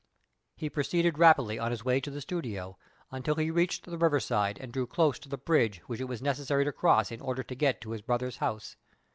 He proceeded rapidly on his way to the studio, until he reached the river side and drew close to the bridge which it was necessary to cross in order to get to his brother's house.